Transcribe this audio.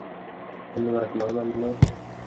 ধন্যবাদ, মহামান্য!